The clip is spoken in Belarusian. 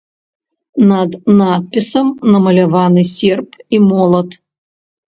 Над надпісам намаляваны серп і молат.